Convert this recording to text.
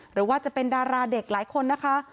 หรือว่าจะเป็นดาราเด็กหลายคนนะคะ